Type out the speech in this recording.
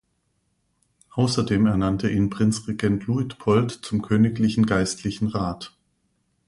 Außerdem ernannte ihn Prinzregent Luitpold zum königlichen Geistlichen Rat.